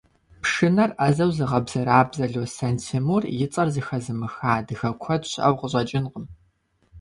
Пшынэр ӏэзэу зыгъэбзэрабзэ Лосэн Тимур и цӏэр зэхэзымыха адыгэ куэд щыӏэу къыщӏэкӏынкъым.